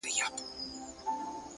هره تجربه د لید زاویه بدله وي,